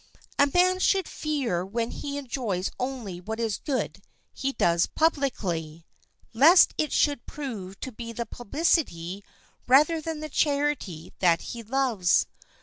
A man should fear when he enjoys only what good he does publicly, lest it should prove to be the publicity rather than the charity that he loves.